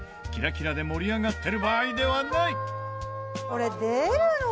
キラキラで盛り上がってる場合ではない！